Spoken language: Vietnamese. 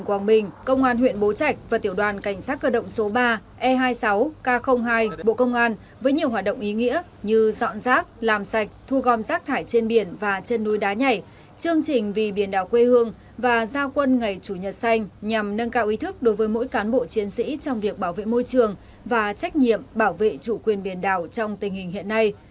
quảng bình công an huyện bố trạch và tiểu đoàn cảnh sát cơ động số ba e hai mươi sáu k hai bộ công an với nhiều hoạt động ý nghĩa như dọn rác làm sạch thu gom rác thải trên biển và trên núi đá nhảy chương trình vì biển đảo quê hương và gia quân ngày chủ nhật xanh nhằm nâng cao ý thức đối với mỗi cán bộ chiến sĩ trong việc bảo vệ môi trường và trách nhiệm bảo vệ chủ quyền biển đảo trong tình hình hiện nay